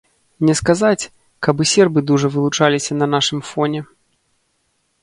Не сказаць, каб і сербы дужа вылучаліся на нашым фоне.